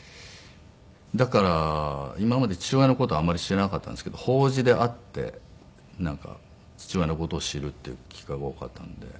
だから今まで父親の事をあんまり知らなかったんですけど法事で会ってなんか父親の事を知るっていう機会が多かったんで。